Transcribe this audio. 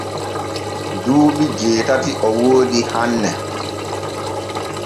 Duuɓi jeetati o woodi hanne.